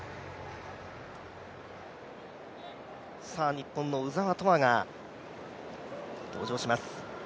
日本の鵜澤飛羽が登場します。